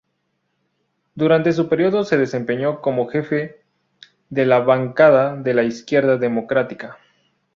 Durante su periodo se desempeñó como jefe de la bancada de la Izquierda Democrática.